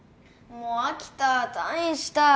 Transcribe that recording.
もう飽きた退院したい。